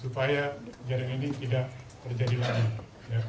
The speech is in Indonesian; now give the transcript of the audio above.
supaya jaring ini tidak terjadi dan tidak akan terjadi lagi